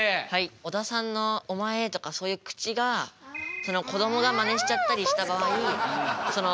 小田さんの「お前」とかそういう口がこどもがマネしちゃったりした場合わるい。